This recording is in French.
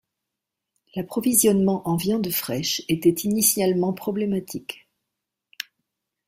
L'approvisionnement en viande fraîche était initialement problématique.